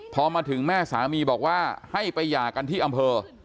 พอมาถึงแม่สามีบอกว่าให้ไปหย่ากันที่อำเภอ